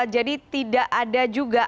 jadi tidak ada juga